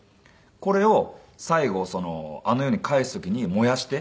これを最後あの世に帰す時に燃やして。